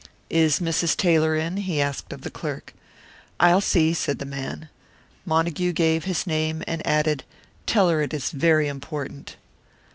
"Is Mrs. Taylor in?" he asked of the clerk. "I'll see," said the man. Montague gave his name and added, "Tell her it is very important."